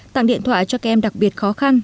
tặng điện thoại cho các em đặc biệt khó khăn